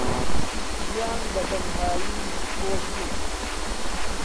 ژیان بەتەنهایی خۆش نییە.